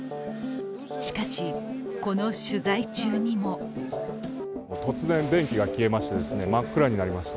しかし、この取材中にも突然電気が消えまして真っ暗になりました。